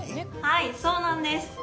はいそうなんです